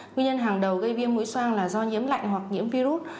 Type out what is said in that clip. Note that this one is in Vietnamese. nguyên nhân hàng đầu gây viêm mũi soang là do nhiễm lạnh hoặc nhiễm virus